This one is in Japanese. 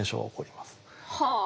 はあ。